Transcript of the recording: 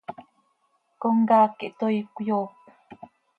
Comcaac quih toii cöyoop.